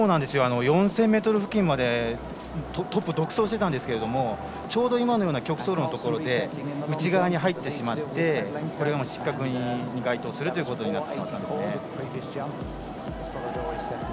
４０００ｍ付近までトップ独走してたんですけど曲走路のときに内側に入ってしまって失格に該当するということになってしまったんですね。